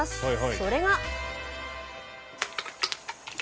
それが。